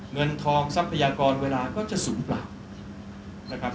เงินทองทรัพยากรเวลาก็จะสูงเปล่า